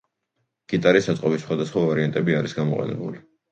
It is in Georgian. გიტარის აწყობის სხვადასხვა ვარიანტები არის გამოყენებული.